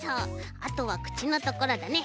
あとはくちのところだね。